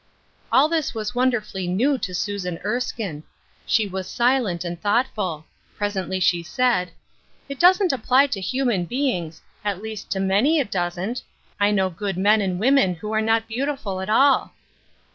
All this was wonderfully new to Susan Erskine. She was silent and thoughtful. Presently she said, " It doesn't apply to human beings — at One Drop of Oil, 113 least to many it doesn't. I know good men and women who are not beautiful at all."